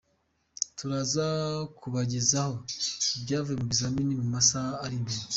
Turaza kubagezaho ibyavuye mu bizamini mu masaha ari imbere.